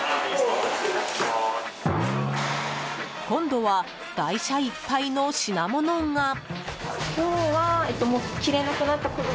今度は台車いっぱいの品物が。